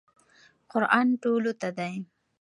قرآن ټولو ته دی.